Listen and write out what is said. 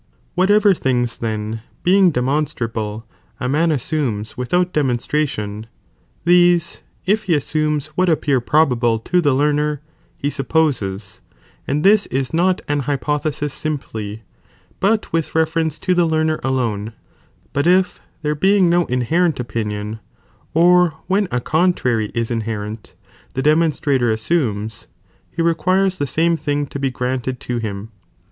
Wliatevcr things then, being de monstrable, a man assumes without demonstration, these, if he assumes what appear probable to the learner, he supposes, and this is not an hypothesis simply, but with reference to the learner alone ; but if, there being no inherent opinion, or when a contrary is inherent, the demonstrator easumes, be requires the same thing to be granted to him.